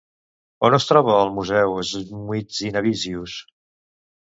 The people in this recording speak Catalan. On es troba el Museu Žmuidzinavičius?